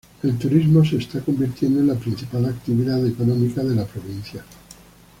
El turismo se está convirtiendo en la principal actividad económica de la provincia.